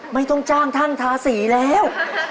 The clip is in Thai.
ไม่ต้องจ้างท่านทาสีแล้ว